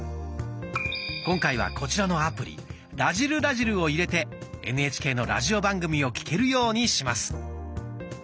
今回はこちらのアプリ「らじる★らじる」を入れてＮＨＫのラジオ番組を聴けるようにします。